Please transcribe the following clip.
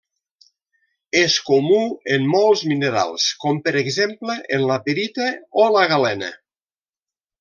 És comú en molts minerals, com per exemple en la pirita o la galena.